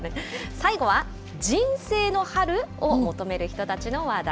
最後は、人生の春？を求める人たちの話題。